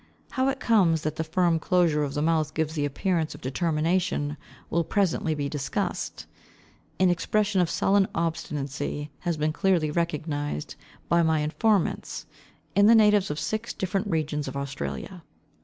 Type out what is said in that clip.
How it comes that the firm closure of the mouth gives the appearance of determination will presently be discussed. An expression of sullen obstinacy has been clearly recognized by my informants, in the natives of six different regions of Australia.